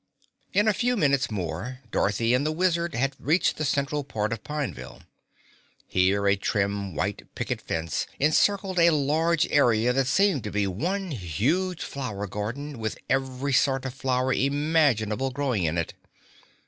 In a few minutes more Dorothy and the Wizard had reached the central part of Pineville. Here a trim, white picket fence encircled a large area that seemed to be one huge flower garden with every sort of flower imaginable growing in it.